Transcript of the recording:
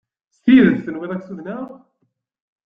S tidet tenwiḍ ad k-ssudneɣ?